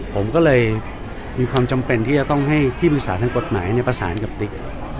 ผมก็เลยมีความจำเป็นที่จะต้องให้ที่ปรึกษาทางกฎหมายประสานกับติ๊ก